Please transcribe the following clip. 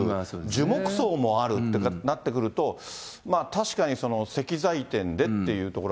樹木葬もあるってなってくると、確かに石材店でっていうところは。